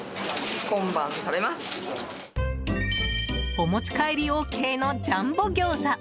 お持ち帰りＯＫのジャンボギョーザ。